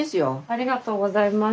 ありがとうございます。